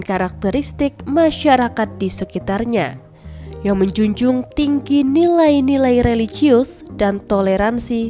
karakteristik masyarakat di sekitarnya yang menjunjung tinggi nilai nilai religius dan toleransi